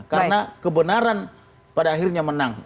karena kebenaran pada akhirnya menang